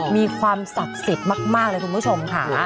มีความศักดิ์สิทธิ์มากเลยคุณผู้ชมค่ะ